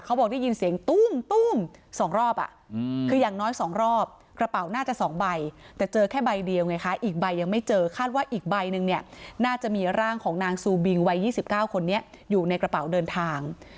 บอกได้ยินเสียงตู้ม๒รอบคืออย่างน้อย๒รอบกระเป๋าน่าจะ๒ใบแต่เจอแค่ใบเดียวไงคะอีกใบยังไม่เจอคาดว่าอีกใบหนึ่งเนี่ยน่าจะมีร่างของนางซูบิงวัย๒๙คนนี้อยู่ในกระเป๋าเดินทาง